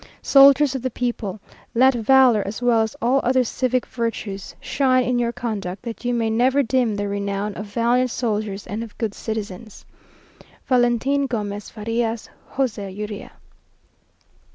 Soldiers of the people! let valour, as well as all other civic virtues, shine in your conduct, that you may never dim the renown of valiant soldiers and of good citizens. "Valentin Gomez Farias." "José Urrea."